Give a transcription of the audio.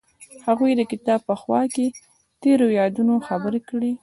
هغوی د کتاب په خوا کې تیرو یادونو خبرې کړې.